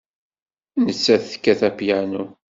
Nettat tekkat apyanu.